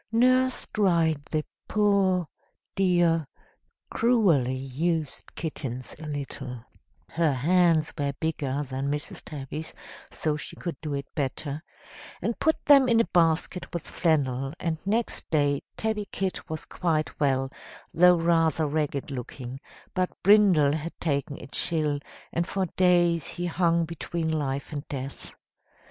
"Nurse dried the poor, dear, cruelly used kittens a little (her hands were bigger than Mrs. Tabby's, so she could do it better), and put them in a basket with flannel, and next day Tabby Kit was quite well, though rather ragged looking; but Brindle had taken a chill, and for days he hung between life and death.